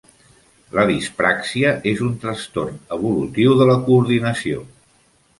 La dispràxia és un trastorn evolutiu de la coordinació.